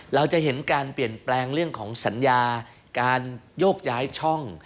เราจะเห็นการเปลี่ยนแปลงเรื่องของสัญญาการโยกย้ายช่อง